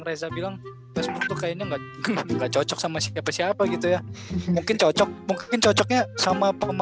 beza beza genta nggak cocok sama cerita siapa gitu ya mungkin cocok mungkin cocok sih sama pemainnya